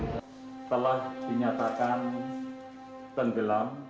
setelah dinyatakan tenggelam